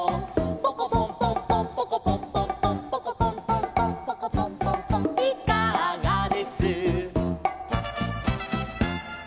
「ポコポンポンポンポコポンポンポン」「ポコポンポンポンポコポンポンポン」「いかがです」